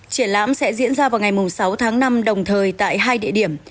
triển lãm sẽ diễn ra vào ngày sáu tháng năm đồng thời tại hai địa điểm